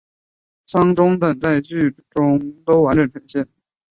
丧钟等在剧中都完整呈现。